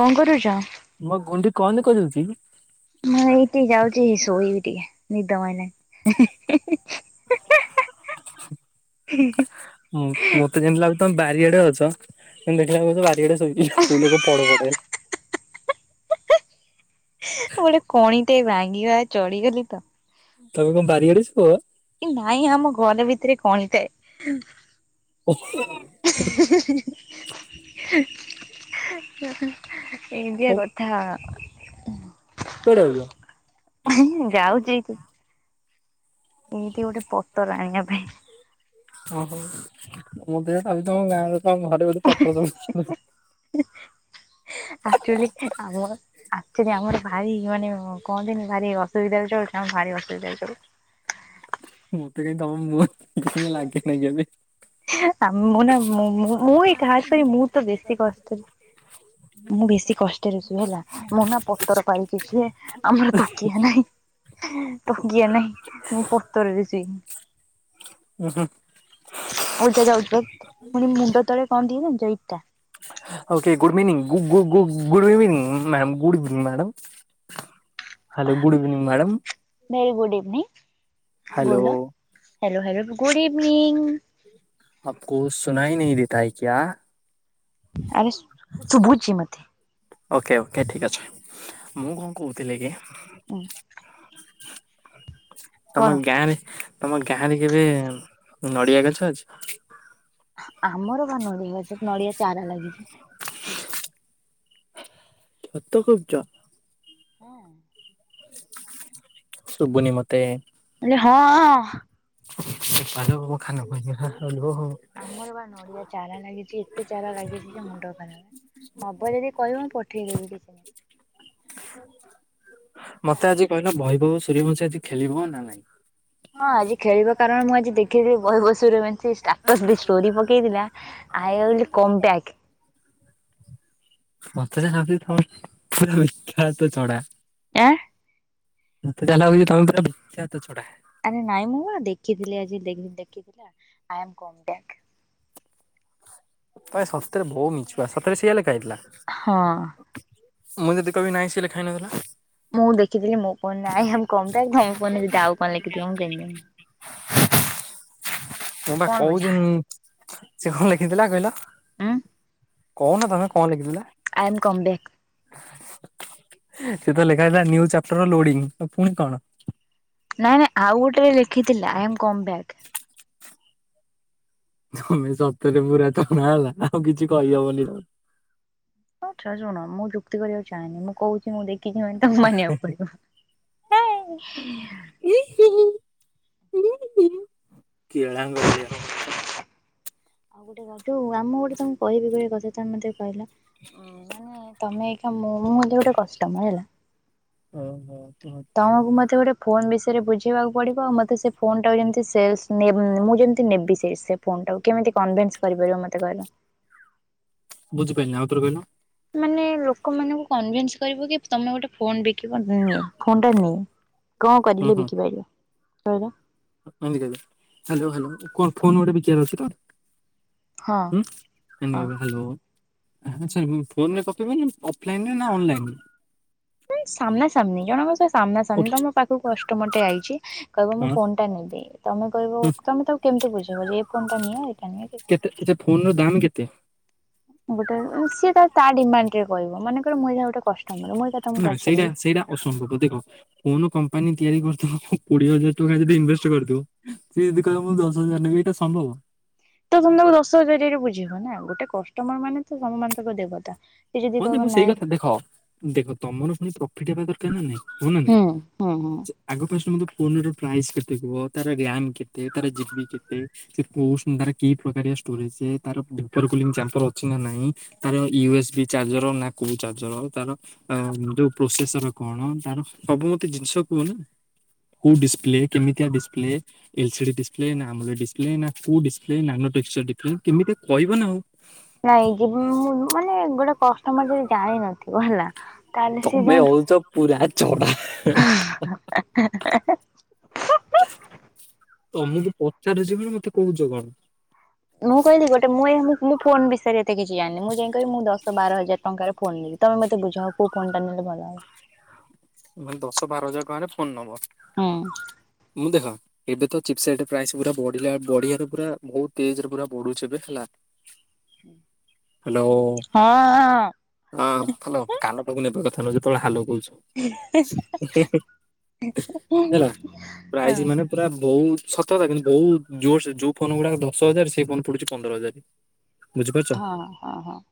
କଣ କରୁଛ? ମୋ ଗୁଣ୍ଡି କଣ କହିଦଉଛି? ମୁଁ ଏଇ ଟିକି ଯାଉଛି ଶୋଇବି ଟିକେ ନିଦ ମାଡ଼ିଲାଣି। ମତେ ଯେମିତି ଲାଗୁଛି ତମ ବାରିଆଡେ ଅଛ ତୁ ଦେଖିଲାକୁଛ ବାରିଆଡେ ଶୋଇ ଫୁଲୋକ ପଡ ପଡଲେ। ଗୋଟେ କଣ ଟ ଭାଙ୍ଗିବା ଚଳିଗଲି ତ। ତମେ କଣ ବାରିଆଡେ ଅଛ? ନାଇଁ ଆମ ଘର ଭିତରେ କଣଥାଏ। [unintelligible] ଏତିଆ କଣ କଥା। କୁଆଡେ ଆଉଛ? ଯାଉଛି । ଏଇତି ଗୋଟେ ପୋତର ଆଣିିବା ପାଇଁ। ଓହୋ ମୋ ଦେହ ତା ବି ତମ ଗାଁରେ ହଁ ଘରେ ବୋଧେ ପତ୍ର ସବୁ ଆୁ ଆମ ଆଚ ଆମର ବାାରୀ କି ମାନେ କହନ୍ତିନି ଭାରି ଅସୁବିଧାରେ ଚଳୁଛି ଆମ ଭାରି ଅସୁବିଧାରେ ଚଳୁଛି। ମୋତେ କାଇ ତମ ମୁହ କିଛି ଦ ଲାଗେ ନହିଁ କି ଏବେ। [inaudible] ଆ ମୁଁ ନା ମୁଁ ମୁଁ ଏଇ ଖାସ୍ କରି ମୁଁ ତ ବେଶୀ କଷ୍ଟରେ ମୁଁ ବେଶୀ କଷ୍ଟରେ ୁ ହେଲା ମୁଁ ନା ପତର ପାରିକି ଶୁଏ ଆମର ତୋକିଆ ନାହିଁ। ତ କିଏ ନାଇଁ ମୁଁ ପତରଛିୁ। ହୁ ହୁ। ଉଠା ଯା ଉଠ ପୁଣି ମୁଣ୍ଡ ତଳେ କଣ ଦିଏେ ନା ଇଟା। ଓକେ ଗୁଡ଼ ମଇଭିନିଂ ଗୁଡ଼ ଇଭିନିଂ ମ୍ୟା ଗୁଡ଼୍ ଇଭିନିଂ ମ୍ୟାଡ଼ମ। ଆ hello good evening madam. Very good evening. Hello. ବୋଲ ହ୍ୟାଲୋ ହ୍ୟାଲୋ ଗୁଡ଼ ଇଭିନିଂ। ଆପକୁ ସୁନାାଇ ନ ଦେଇତା ହ କ୍ୟା? ଆରେ ଶୁଭୁଝଛି ମତେ। ଓକେ ଓକେ ଠିକ୍ ଅଛି ମୁଁ କଣ କହୁଥିଲି କି ହୁଁ। ତମ ଗାଁରେ ତମ ଗାଁ ରେ କେବେ ନଡିଆ ଗଛ ଅଛି? ଆମର ବା ନଡ଼ିଆ ସ ନଡିଆ ଚାରା ଲାଗିଛି। ଯତ ଖୁବ ଜ ହଁ। ଶୁବୁନି ମତେ। ହେଲେ ହଁ ହଁ। [unintelligible] ଆମର ବା ନଡିଆ ଚାରା ଲାଗିଛି। ଏତେ ଚାରା ଲାଗିଛି ଯେ ମୁଣ୍ଡ ଖରାପ ନବ ଯଦି କହିବ ମୁଁ ପ ପଠେଇ ଦେବି କିଛି ନାଇଁ। ମତେ ଆଜି କହିଲ ଭୈଭବଉ ସୂର୍ଯ୍ୟବଂଶୀ ଆଜି ଖେଳିବ ନା ନାଇଁ? ହଁ ଆଜି ଖେଳିବା କାରଣ ମୁଁ ଆଜି ଦେଖିଥିଲି [unintelligible] ତ ସେ ଷ୍ଟୋରି ପକେଇଥିଲା ଆଇ୍ ୱିଲ କମ ବାକ୍। ମତେ ଯାହାବି ହୋଉ [unintelligible] ଆଁ। ମତେ ଯାହା ଲାଗୁଚି ତମେ ପୁରା ଭିକ୍ଷତ୍ତ ଛଡା। ଆରେ ନାଇଁ ମୁଁ ଦେଖିଥିଲି ଆଇ ଆମ୍ କମ୍ ବିଆକ। ତ ସତରେ ବଉ ମିଶିବା ସତରେ ସଇଆ ଲେଖାହେଇଥିଲା? ହଁ। ମୁଁ ଯଦି କହିବି ନାହିଁ ସିଇଆ ଲେଖା ହେଇ ନଥିଲା। ମୁଁ ଦେଖିଥିଲି ମୁଁ କହୁନି ଆଇ ଆମ୍ କମ୍ ବ୍ୟାକ। ଧମ ପ ଯଦି ଆଉ କଣ ଲେଖିଥିବ ମୁଁ କେମିତି ଜାଣିବି? ମୁଁ ବା କଣ ବୁଝା କହୁଛି ସେ କଣ ଲେଖିଥିଲା କହିଲ? ଆଁ। କହୁନ ତମେ କଣ ଲେଖିଥିଲା? I am come back. ସେ ତ ଲେଖା ହେଇଥିଲା ଚାପ୍ଟର ଲୋଡିଙ୍ଗ ପୁଣି କଣ? ନାଇଁ ନାଇଁ ଆଉ ଗୋଟେ ଲେଖିଥିଲେ ଆଇ ଆମ୍ କମ୍ ବ୍ୟାକ। ତମେ ସତରେ ପୁରା ହେଲା ଆଉ କିଛି କହିହବନି ଆଉ। ହଉ ଶୁଣ ମୁଁ ଯୁକ୍ତି କରିବାକୁ ଚାହଁନି ମୁଁ କହୁଛି ମୁଁ ଦେ କି ତମେ ମାନିବାକୁ ପଡିବ। [unintelligible] ଆଉ ଗୋଟେ ଯୋଉ ଆମ ଗୋଟେ ତମକୁ କହିବି ଗହଆ କଥା ତମେ ମେ କହିଲା ଉ ମାନେ ତମେ ମୁଁ ଏମିତି ଗୋଟେ କଷ୍ଟମର ହେଲା। ଓ ହୋ। ତମକୁ ମତେ ଗୋଟେ ଫୋନ ବିଷୟରେ ବୁଝେଇବାକୁ ପଡିବ ଆଉ ମତେ ସେ ଫୋନ ଟାକୁ ଯେମତି ମୁଁ ଯେମିତି ନେବି ସେ ସେ ଫୋନ୍ ଟାକୁ କେମିତି କନ୍ସ କରିପାରିବ ମତେ କହିଲ? ବୁଝିପାରିଲିନି ଆଉ ଥରେ କହିଁଲ। ମାନେ ଲୋକମାନଙ୍କୁ କନନ୍ସ କରିବ କି ତମେ ଗୋଟେ ଫୋନ ବିକିବ ଫୋନ ଟା କଣ କରିଲେ ବିକି ପାରିବ? ହାଲୋ କଣ ଫୋନ ଗୋଟେ ବିକିର ଅଛି ହଁ ତ ହଁ ହାଲୋ ହାଲୋ ଆଚ୍ଛା ଫୋନରେ ତୁମେ ଅଫଲାଇନରେ ନା ଅନଲାଇନ? ନାଇଁ ସାମନା ସାମନି କଣ ଜଣଙ୍କ ସାମ୍ନା ସାମ୍ନା ଓକେ ତ ମୋ ପାଖକୁ କଷ୍ଟ ମଟେ ଆଇଛି କହିବ ମୁଁ ହଁ ଫୋନ୍ଟା ନେବି। ତମେ କହିବ ହୁଁ ତମେ ତାକୁ କେମିତି ବୁଝିବ ଯେ ଏ ଫୋଣ ଟା ନିଅ ଏଇଟା ନିଅ କି କହ ତେ? ଗୋଟେ ସିଏ ତା ତା ଡିମାଣ୍ଡ ରେ କହିବ ମନେକର ମହିଳା ଗୋଟେ କଷ୍ଟମର ମୁଁ ଏଇକା ତମକୁ ନା ସେଇଟା ପଚାରିବି ସେଇଟା ଅସମ୍ଭବ ଦେଖ କଣ କମ୍ପାନୀ ତିଆରି କରିଦବ। କୋଡିଏ ହଜାର ଟଙ୍କା ଯଦି ଇନଭେଷ୍ଟ କରିଦଉ, ସେ ଯଦି କହିବ, ମୁଁ ଦଶ ହଜାର ନେବି। ଏଇଟା ସମ୍ଭବ! ତ ତମେ, ତାକୁ ଦଶ ହଜାରରେ ବୁଝେଇବ ନା। ଗୋଟେ କଷ୍ଟମ୍ ର ମାନେ ତମ ମାନେ ତାକୁ ଦେବତା ସେ ଯଦି ହଁ, ଯେ କହିବ ମୁଁ ସେଇ ନାଇଁ କଥା! ଦେଖ ଦେଖ, ତମର ପୁଣି ପ୍ରଫିଟ୍ ହେବା ଦରକାର ନା ନାଇଁ? ହଁ, ନା ନାଇଁ! ହୁଁ ହୁଁ ହୁଁ। ଆଗ ଫାଷ୍ଟ ମତେ ଫୋନ୍ ର ପ୍ରାଇସ୍ କେତେ କୁହ?, ତାର ରିଆମ୍ମ୍ କେତେ? ତାର ଜିବିି କେତେ? ସେ କଉ [unintelligible] କି ପ୍ରକାରିଆ ଷ୍ଟୋରେଜେ, ତାର ଭାପର କୁଲିଙ୍ଗ ଚାମ୍ପର ଅଛି ନା ନାଇଁ? ତାର ୟୁ ଏସ୍ ବି ଚାର୍ଜର ନା କୋଉଁ ଚାର୍ଜର ତାର? ଯଉ, ପ୍ରୋସେସର କଣ ତାର? ସବୁ ମତେ ଜିନିଷ କୁଅନା କଉ ଡିସପ୍ଲେ, କେମିତିଆ ଡିସପ୍ଲେ? ଏଲସିଡି ଡିସପ୍ଲେ ନା, ଆମଲ୍ ଡିସପ୍ଲେ, ନା କଉ ଡିସପ୍ଲେ? ନାନ ଟେକ୍ସଚର ଡିପ୍ ନାଇଁ, ଯେବେ ମୁଁଉଁ ମାନେ ଗୋଟେ କଷ୍ଟମର ଯଦି ଜାଣିିନଥିବ, ହେଲା ତାହେଲେ ସିଏ ତମେ ଯାଇକି ହଉଛ ପୁରା ଚଢା ହା ହା ହା। ତମକୁ ପଚାରୁଛି ବୋଲି, ମତେ କହୁଛ କଣ? ମୁଁ କହିଲି, ଗୋଟେ ମୁଁ ଏଇ ଫୋନ୍ ବିଷୟରେ ଏତେ କିଛି ଜାଣିନି। ମୁଁ ଯାଇଁକି କହିବି, ମୁଁ ଦଶ ବାର ହଜାର ଟଙ୍କାରେ ଫୋନ୍ ନେବି। ତମେ ମୋତେ ବୁଝାଓ କୋଉ ଫୋନ୍ ଟା ନେଲେ ଭଲ ହବ? ମାନେ, ଦଶ ବାର ହଜାର ଟଙ୍କାରେ ଫୋନ୍ ନବ। ହୁଁ ମୁଁ ଦେଖ ଏବେ ତ ଚିପ୍ସାଇଟ୍ ପ୍ରାଇସ୍ ପୁରା ବଢିଲା। ବଢିଆରେ ପୁରା ବହୁତ ତେଜ୍ ରେ ପୁରା ବଢୁଛି ଏବେ ହେଲା। ହ୍ୟାଲୋ! ହଁ ହଁ ହଁ ହାଲୋ କାନ ପାଖକୁ ନେ ପରା କ ଥନୁ ଯେତେଳେ ହାଲୋ କହୁଛ ହେ ହେ ହେ ହେଲା, ହଁ ପ୍ରାଇସ୍ ମାନେ ପୁରା ବହୁତ ସତ କଥା! କିନ୍ତୁ, ବହୁତ ଯୋର୍ ସେ ଯୋଉ ଫୋନ୍ ଗୁଡାକ ଦଶ ହଜାର ସେଇ ଫୋନ୍ ପଡୁଛି, ପନ୍ଦର ହଜାର। ହଁ ହଁ ହଁ।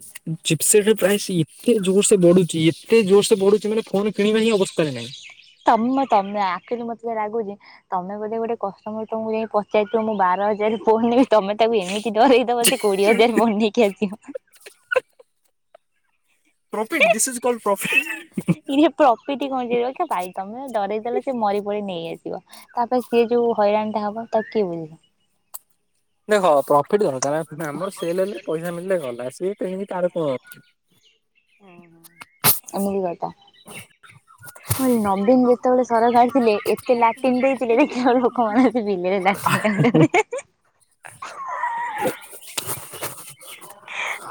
ଜିପସେଟରେ ପ୍ରାଇସ୍ ଏତେ ଜୋର ସେ ବଢୁଛି! ଏତେ ଜୋର ସେ ବଢୁଛି! ମାନେ ଫୋନ କିଣିବା ହିଁ ଅବସ୍ଥାରେ ନାହିଁ। ତମେ ତମେ, ଆଖିରି ମୋତେ ଯାହା ଲାଗୁଛି! ତମେ ବୋଧେ, ଗୋଟେ କଷ୍ଟମର ତମକୁ ଯାଇ ପଚାରିଥିବ ମୁଁ ବାର ହଜାର ପୁଣି, ତମେ ତାକୁ ଏମିତି ଡରେଇଦବ ଯେ, କୋଡିଏ ହଜାର ବନେଇକି ଆସିବ। Profit! This is called profit. ପିଠି [unintelligible] ଭାଇ ତମେ ଡରେଇ ଦେଲ ସେ ମରି ପଡି ନେଇ ଆସି ଆସିବ। ତା'ପରେ ସିଏ, ଯୋଉ ହଇରାଣ ଟା ହବ, ତାକୁ କିଏ ବୁଝି ଦେଖ ହ ପ୍ରଫିଟ୍ ଦରକାର। ଆମର ସେଲ୍ ହେଲେ ପଇସା ମିଳିଲେ ଗଲା। [unintelligible] ହୁଁ ଏମିତି କତା। ନବୀନ ଯେତେବେଳେ ସରକାର ଥିଲେ ଏତେ ଲାଟିନ୍ ଦେଇଥିଲେ! ଦେଖିଲାକୁ ଲୋକମାନେ ଆସି ବିଲରେ ଲାଟିନ୍ [inaudible]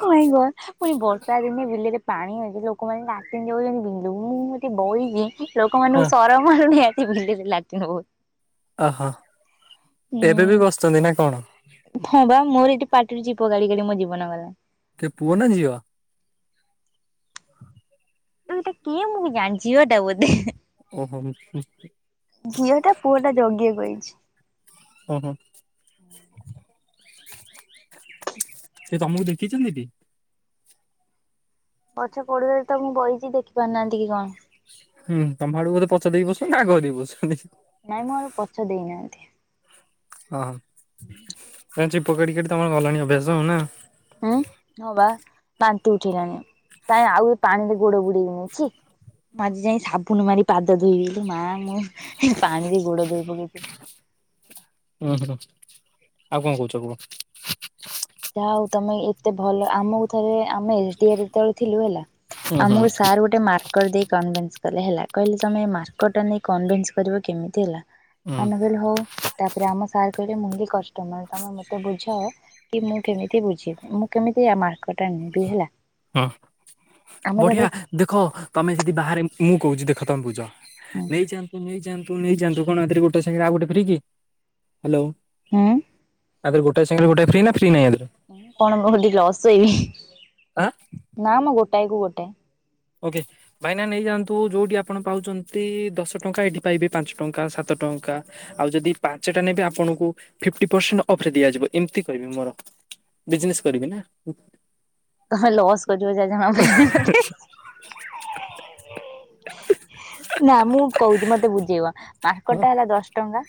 ଓ ମାଇଁ ଗର! ପୁଣି ବର୍ଷା ଦିନେ ବିଲରେ ପାଣି ଅଛି। ଲୋକମାନେ ଲାଟିନ୍ ଯାଉଛନ୍ତି ବିଲକୁ ମୁଁ ଏଠି ବଇଚିଁ, ହଁ ଲୋକମାନଙ୍କୁ ସରମ ମାଡୁନି ହେ। ବିଲରେ ଲାଟିନ ହୋ। ଅ ହ, ଏବେ ବି ବସଛନ୍ତି ନା କଣ? ହଁ ବା ମୋର ଏଠି ପାଟିରୁ ଚିପ କାଢି କାଢି ମୋ ଜୀବନ ଗଲା। କେ ପୁଅ ନା ଝିଅ? ତୁ ଏଟା କିଏ ମୁଁ ଜାଣି? ଝିଅଟା ବୋଧେ! ହଁ ହୁ [unintelligible] ଝିଅଟା ପୁଅଟା ଜଗିଆକୁ ଆଇଛି। ହୁଁ ହୁଁ। ସେ ତମକୁ ଦେଖିଛନ୍ତି କି? ଗଛ ପଢୁଆଳରେ ତ ମୁଁ ବଇଛି, ଦେଖି ପାରୁନାହାଁନ୍ତି କି କଣ? ହୁଁ, ତମ ଆଢକୁ ବୋଧେ ପଛ ଦେଇକି ବସନ୍ତି ନା ଆଗ ଦେଇକି ବସଛନ୍ତି? ନାଇଁ, ମୋ ଆଡକୁ ପଛ ଦେଇନାହାଁନ୍ତି। ଅହ କଇଁଚି ପକଡି଼ କାଟି ତମର ଗଲାଣି ଅଭ୍ୟାସ ଆଉ ନାଁ? ଉଁ ହଁ ବା ବାନ୍ତି ଉଠେଇଲାଣି। ତାଇଁ ଆଉ ପାଣିରେ ଗୋଡ଼ ବୁଡେଇବିନି ଛି। ମୁଁ ଆଜି ଯାଇଁ ସାବୁନ ମାରି ପାଦ ଧୋଇବି ଲୋ ମା ମୁଁ ଏ ପାଣିରେ ଗୋଡ଼ ଧୋଇ ପକେଇତି। ଉଁ ହୁଁ ଆଉ କଁ କୋହୁଚ କୁହ। ଯାହା ହଉ ତମେ ଏତେ ଭଲ ଆମୁକୁ ଥରେ ଆମେ ଏସ୍ ଡି ଏ ଯେତୋଳେ ଥିଲୁ ହେଲା ଉଁ ହୁଁ ଆମୁ ସାର୍ ଗୋଟେ ମାର୍କର୍ ଦେଇ କନ୍ଭେସ୍ କଲେ ହେଲା ତମେ ମାର୍କର୍ ଟା ନେଇ କନ୍ଭେସ୍ କରିବ କେମିତି ହେଲା ଉଁ ଆମେ କହିଲୁ ହଉ। ତାପରେ ଆମ ସାର୍ କହିଲେ ମୁଁ ବି କଷ୍ଟମର୍ ତମେ ମତେ ବୁଝାଅ କି ମୁଁ କେମିତି ବୁଝିବି ମୁଁ କେମିତି ମାର୍କର୍ ଟା ନେବି ହେଲା। ହଁ ଆମେ ତାପରେ ବଢ଼ିଆ ଦେଖ ତମେ ଯେଦି ବାହାରେ ମୁଁ କୋହୁଚି ଦେଖ ତମେ ବୁଝ। ନେଇଯାଆନ୍ତୁ ନେଇଯାଆନ୍ତୁ ନେଇଯାଆନ୍ତୁ କଣ ଏଥିରେ ଗୋଟେ ସାଙ୍ଗେରେ ଆଉ ଗୋଟେ ଫ୍ରି କି? ହାଲୋ ହୁଁ ଆଦେରେ ଗୋଟାଏ ସାଙ୍ଗରେ ଗୋଟାଏ ଫ୍ରି ନାଁ ଫ୍ରି ନାହିଁ ଆଦେ କଣ ମୁଁ ହଟି ଲସ୍ ସଇବି ଆଁ? ନାଁ ମ ଗୋଟାଏ କୁ ଗୋଟାଏ। ଓକେ ଭାଇନା ନେଇଯାଆନ୍ତୁ ଯୋଉଠି ଆପଣ ପାଉଚନ୍ତି ଦଶ ଟଙ୍କା ଏଠି ପାଇବେ ପାଞ୍ଚ ଟଙ୍କା ସାତ ଟଙ୍କା ଆଉ ଯଦି ପାଞ୍ଚଟା ନେବେ ଆପଣଙ୍କୁ ଫିଫ୍ଟି ପରସେଣ୍ଟ୍ ଅଫ୍ ରେ ଦିଆଯିବ ଏମିତିି କହିବି ମୋର। ବିଜନେସ୍ କରିବି ନାଁ। ତମେ ଲସ୍ କରିଯିବ ଯା ଜଣା ପଇଲାଇଁ ମତେ। ନାଁ ମୁଁ କହୁଚି ମତେ ବୁଝେଇବ ମାର୍କର୍ ହଁ ଟା ହେଲା ଦଶ ଟଙ୍କା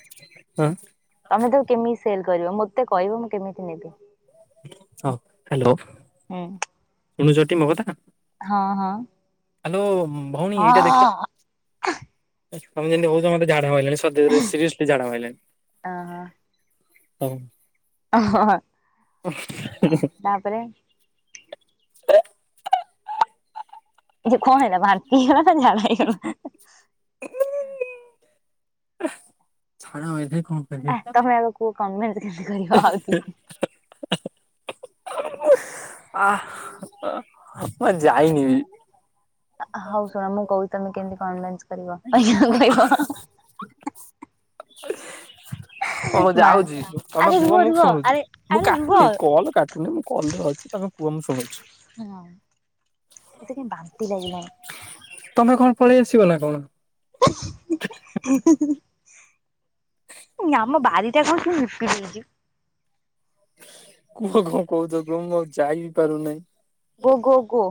ହଁ ତମେ ତାକୁ କେମିତି ସେଲ କରିବ ମୋତେ କହିବ ମୁଁ କେମିତି ନେବି। ହଁ ହାଲୋ। ହୁଁ। ଶୁଣୁଚଟି ମୋ କଥା? ହଁ ହଁ। ଆଲୋ ଭଉଣୀ ଏଇଟା ଦେଖିଲ ହଁ ଅ ତମେ ଯେମିତି ହୋଉଚ ମତେ ଝାଡ଼ା ମାଇଲାଣି। ଛ ଦେହରେ ସିରିଏସଲି ଝାଡ଼ା ମାଇଲାଣି। ହଁ। ଅ ହ ହ ତାପରେ ଯେ କଣ ହେଲା ବାନ୍ତି ହେଇଅଲା ନାଁ ଝାଡ଼ା ହେଇଅଲା? ଝାଡ଼ା ମାଇଲାଇ। ଆ ତମେ ଆଗ କୁହ କନଭେନ୍ସ୍ କେମିତି କରିବ ଆଉ ତି ଆଃ ମୁଁ ଆ ଯାଇନି ବି। ହଉ ଶୁଣ ମୁଁ କହୁଚି ତମେ କେମିତି କଭେନ୍ସ କରିବ ଆଜ୍ଞା କହିବ। ହଁ ମୁଁ ମା ଯାଉଚି ତମେ ଆରେ ରୁହ କୁହ ମୁଁ ରୁହ ଶୁଣୁଚି ଆରେ ମୁଁ ଆରେ ରୁହ କାଟୁନି କଲ୍ କାଟୁନି ମୁଁ କଲ୍ ରେ ଅଛି ତମେ କୁହ ମୁଁ ଶୁଣୁଚି। ହଁ ମୋତେ କାଇଁ ବାନ୍ତି ଲାଗିଲାଣି। ତମେ କଣ ପଳେଇ ଆସିବ ନାଁ କଣ? ଆଁ ଆମ ବାରିଟା କଁ କିଏ ନିପିଦେଇଚି? କୁହ କଁ କହୁଚ କୁହ ମୁଁ ଆଉ ଯାଇ ବି ପାରୁନେଇ। ଗୋ ଗୋ ଗୋ।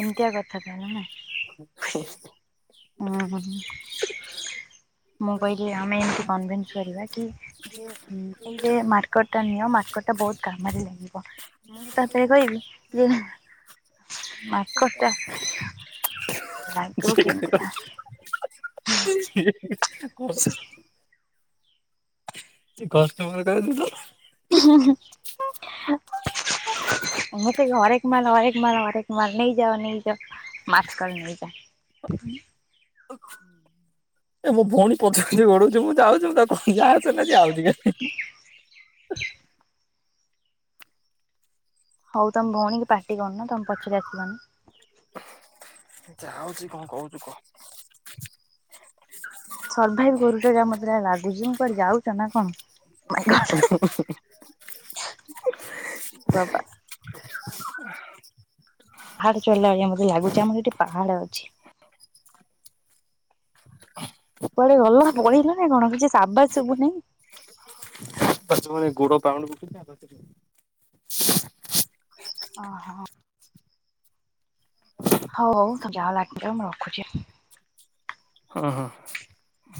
ଏମତିଆ କଥା ତାହେନେ ନାଁ। ମୁଁ କହିଲି ଆମେ ଏମତି କନ୍ଭେସ୍ କରିବା କି ଯେ ଉଁ ଏଇ ଯେ ମାର୍କର୍ ଟା ନିଅ ମାର୍କର୍ ଟା ବୋହୁତ୍ କାମରେ ଲାଗିବ ମୁଁ ତାପରେ କହିବି ଯେ ମାର୍କର୍ ଟା ଲାଗିବ କେମିତି କା? କସ, କଷ୍ଟମର କ ଦ ତୁ। [inaudible] ମତେ ହରେକ ମାଲ ହରେକ ମାଲ ହରେକ ମାଲ ନେଇଯାଅ ନେଇଯାଅ। ମାଥକଲ ନେଇଜା। ଏ ମୋ ଭଉଣୀ ପଛ ପଛେ ଗୋଡ଼ଉଚି ମୁଁ ଯାଉଛି ତା ଯା ଚନା ଜାଉ ଟିକେ। ହଉ ତମ ଭଉଣୀ କି ପାାର୍ଟି କରୁନ ତମ ପଛରେ ଆସିବନି। ଯାଉଛି କଣ କହୁଛୁ କହ। ସର୍ଭାଇଭ କରୁଛ ଯା ମତେ ଯାହା ଲାଗୁଛି ମୁଁ କୁଆଡେ ଯାଉଛ ନା କଣ? ମାଇଁ ଗଡ୍ [inaudible] ବାବା। ପାହାଡ ଚରିଲା ଭଳିଆ ମତେ ଲାଗୁଛି ଆମର ଏଠି ପାହାଡ ଅଛି। କୁଆଡେ ଗଲ ପଳେଇଲ ନା କଣ କିଛି ଆବାଜ ସୁବୁ ନାଇଁ। ତାରତ ଫେନେ ଗୋଡ ପାଉନି। ଓ ହୋ। ହଉ ହଉ ତ ଯାହା ଲାଗିବ ମୁଁ ରଖୁଚି। ହ ହୋ।